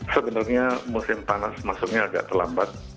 sebenarnya musim panas masuknya agak terlambat